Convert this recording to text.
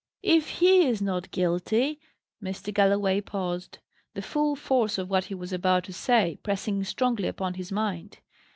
"If he is not guilty " Mr. Galloway paused; the full force of what he was about to say, pressing strongly upon his mind.